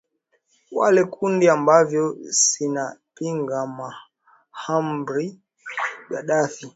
wale kundi ambavyo sinapinga muhamar gadaffi